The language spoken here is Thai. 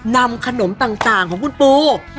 นำขนมต่างของคุณปู